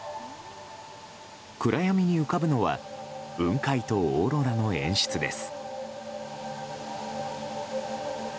暗闇に浮かぶのは雲海とオーロラの演出です。